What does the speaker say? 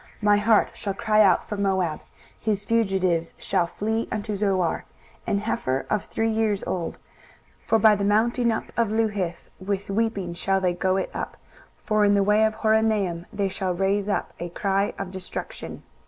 23:015:005 My heart shall cry out for Moab; his fugitives shall flee unto Zoar, an heifer of three years old: for by the mounting up of Luhith with weeping shall they go it up; for in the way of Horonaim they shall raise up a cry of destruction.